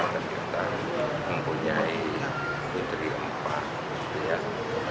dan kita mempunyai putri empah